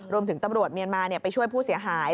รวมถึงตนโรดเมียนมาไปช่วยผู้เสียหาย